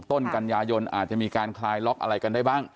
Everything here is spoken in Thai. ต้นกันยายนอาจจะมีการคลายล็อกอะไรกันได้บ้าง